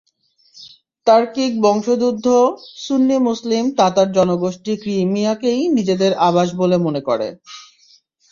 তার্কিক বংশোদ্ভূত সুন্নি মুসলিম তাতার জনগোষ্ঠী ক্রিমিয়াকেই নিজেদের আবাস বলে মনে করে।